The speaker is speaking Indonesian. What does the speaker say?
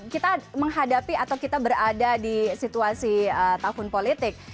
kita menghadapi atau kita berada di situasi tahun politik